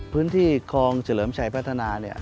พื้นที่คลองเฉลิมชัยพัฒนา